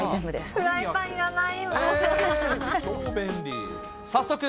フライパンいらない。